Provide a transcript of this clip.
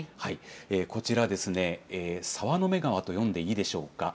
こちら、沢の目川と読んでいいでしょうか。